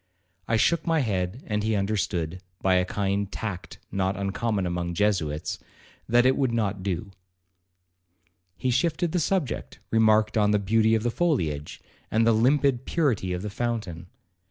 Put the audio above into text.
I shook my head, and he understood, by a kind of tact not uncommon among Jesuits, that it would not do. He shifted the subject, remarked on the beauty of the foliage, and the limpid purity of the fountain.